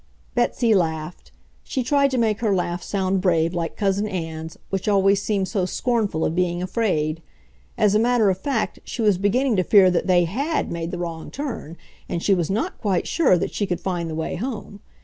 Betsy laughed. She tried to make her laugh sound brave like Cousin Ann's, which always seemed so scornful of being afraid. As a matter of fact, she was beginning to fear that they HAD made the wrong turn, and she was not quite sure that she could find the way home.